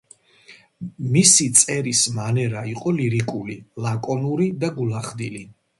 მისი წერის მანერა იყო ლირიკული, ლაკონური და გულახდილი.